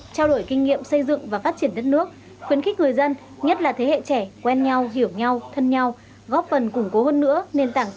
trao đổi kinh nghiệm xây dựng và phát triển đất nước khuyến khích người dân